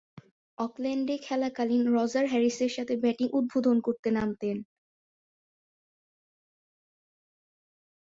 অকল্যান্ডে খেলাকালীন রজার হ্যারিসের সাথে ব্যাটিং উদ্বোধন করতে নামতেন।